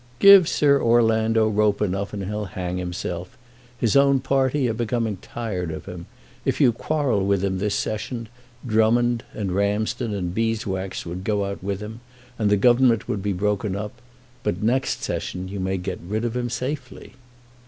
"Give Sir Orlando rope enough and he'll hang himself. His own party are becoming tired of him. If you quarrel with him this Session, Drummond, and Ramsden, and Beeswax, would go out with him, and the Government would be broken up; but next Session you may get rid of him safely."